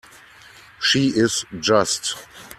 She is just.